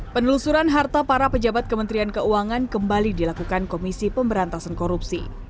penelusuran harta para pejabat kementerian keuangan kembali dilakukan komisi pemberantasan korupsi